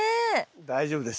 大丈夫です。